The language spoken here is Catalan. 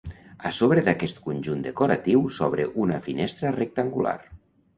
A sobre d'aquest conjunt decoratiu s'obre una finestra rectangular.